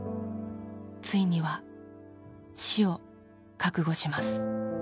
ついには死を覚悟します。